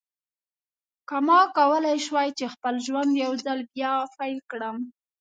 که ما کولای شوای چې خپل ژوند یو ځل بیا پیل کړم.